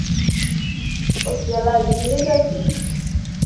اس گلا عجیب نیں لگدی۔